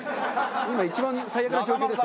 今一番最悪な状況ですよ。